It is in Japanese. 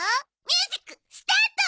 ミュージックスタート！